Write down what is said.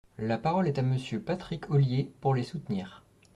La parole est à Monsieur Patrick Ollier, pour les soutenir.